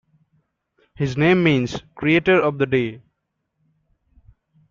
His name means "creator of the day".